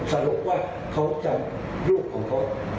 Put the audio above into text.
สรุปว่าเค้ารุกของเค้า